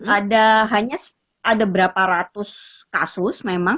ada hanya ada berapa ratus kasus memang